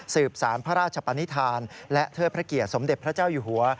สารพระราชปนิษฐานและเทิดพระเกียรติสมเด็จพระเจ้าอยู่หัว